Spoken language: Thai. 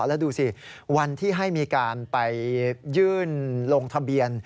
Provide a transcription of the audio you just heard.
แล้วดูสิวันที่ให้มีการไปยื่นลงทะเบียน